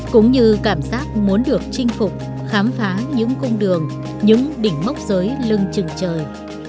cũng như cảm giác muốn được chinh phục khám phá những cung đường những đỉnh mốc giới lưng trừng trời